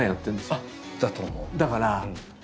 あだと思う。